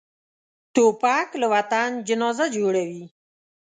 توپک له وطن جنازه جوړوي.